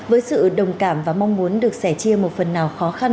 với sự đồng cảm và mong muốn được sẻ chia một phần nào khó khăn